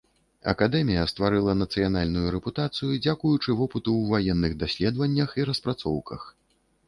Акадэмія стварыла нацыянальную рэпутацыю дзякуючы вопыту ў ваенных даследаваннях і распрацоўках.